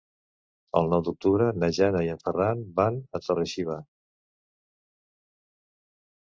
El nou d'octubre na Jana i en Ferran van a Torre-xiva.